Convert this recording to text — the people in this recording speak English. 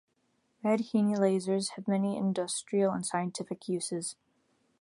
Red HeNe lasers have many industrial and scientific uses.